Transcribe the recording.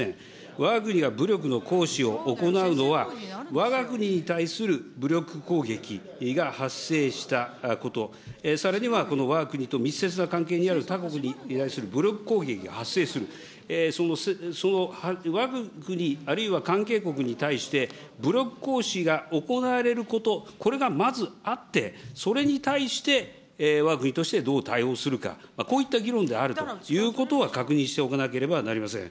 わが国が武力の行使を行うのは、わが国に対する武力攻撃が発生したこと、さらにはこのわが国と密接な関係にある他国に由来する武力攻撃が発生する、わが国あるいは関係国に対して、武力行使が行われること、これがまずあって、それに対してわが国としてどう対応するか、こういった議論であるということは確認しておかなければなりません。